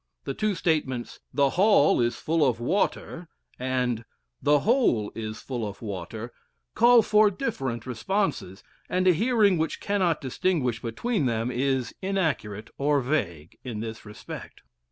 The two statements "the hall is full of water" and "the hole is full of water" call for different responses, and a hearing which cannot distinguish between them is inaccurate or vague in this respect.